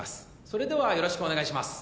それではよろしくお願いします